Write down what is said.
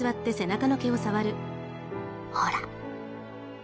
ほら。